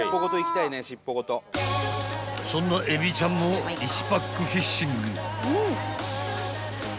［そんな海老ちゃんも１パックフィッシング］